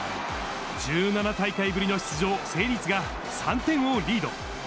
１７大会ぶりの出場、成立が、３点をリード。